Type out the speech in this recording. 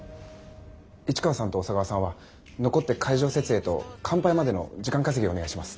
市川さんと小佐川さんは残って会場設営と乾杯までの時間稼ぎをお願いします。